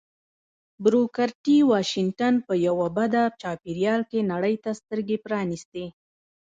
بروکر ټي واشنګټن په یوه بد چاپېريال کې نړۍ ته سترګې پرانيستې